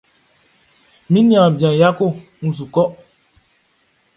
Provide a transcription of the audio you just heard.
Mi niaan bian Yako n su kɔ.